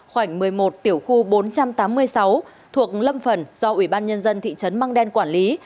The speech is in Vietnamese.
khoảng một mươi một tiểu khu bốn trăm tám mươi sáu thuộc lâm phần do ủy ban nhân dân thị trấn măng đen quản lý